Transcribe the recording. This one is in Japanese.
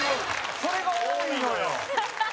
それが多いのよ。